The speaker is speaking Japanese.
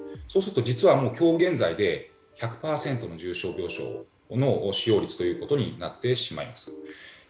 そうすると、実は今日現在で１００％の重症病床の使用率となってしまいます。